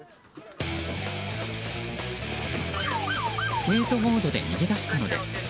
スケートボードで逃げだしたのです。